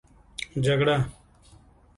جگړه